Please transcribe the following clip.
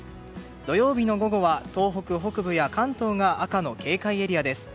土曜日の午後は東北北部や関東が赤の警戒エリアです。